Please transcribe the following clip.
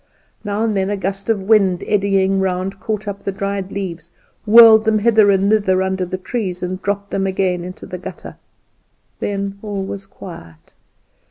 Now and then a gust of wind eddying round caught up the dried leaves, whirled them hither and thither under the trees, and dropped them again into the gutter; then all was quiet.